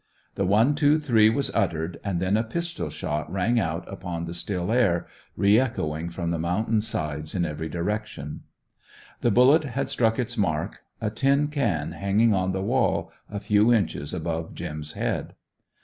The "one, two, three!" was uttered, and then a pistol shot rang out upon the still air, re echoing from the mountain sides, in every direction. The bullet had struck its mark, a tin can hanging on the wall a few inches above "Jim's" head.